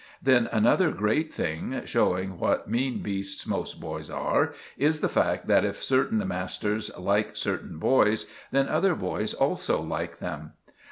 Then another great thing, showing what mean beasts most boys are, is the fact that if certain masters like certain boys, then other boys also like them.